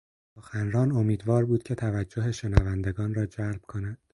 سخنران امیدوار بود که توجه شنودگان را جلب کند.